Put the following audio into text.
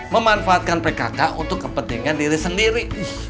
memanfaatkan pkk untuk kepentingan diri sendiri